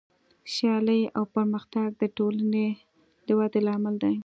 سیالي او پرمختګ د ټولنې د ودې لامل دی.